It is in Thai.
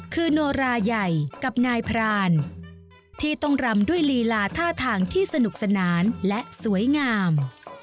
คือโนราใหญ่กับนายพรานที่ต้องรำด้วยลีลาท่าทางที่สนุกสนานและสวยงาม